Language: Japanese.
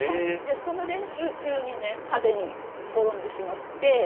その練習中にね派手に転んでしまって。